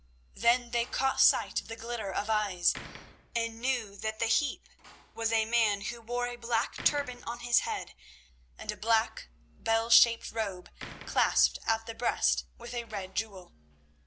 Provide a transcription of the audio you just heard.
Then they caught sight of the glitter of eyes, and knew that the heap was a man who wore a black turban on his head and a black, bell shaped robe clasped at the breast with a red jewel.